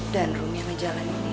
dan rum yang menjalani ini ya